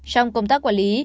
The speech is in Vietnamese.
trong công tác quản lý